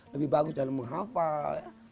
lebih bagus dalam menghafal